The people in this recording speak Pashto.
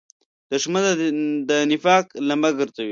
دښمن د نفاق لمبه ګرځوي